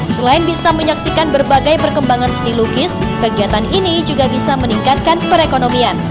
selain bisa menyaksikan berbagai perkembangan seni lukis kegiatan ini juga bisa meningkatkan perekonomian